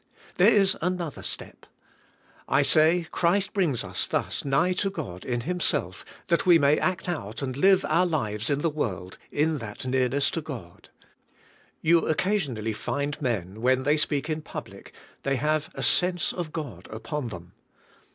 There is another step. I say Christ brings us thus nigh to God in Himself that we may act out and live our lives in the world in that nearness to God. You occasionally find men, when they speak in public, they have a sense of God upon them.